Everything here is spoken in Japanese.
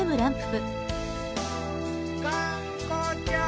・がんこちゃん！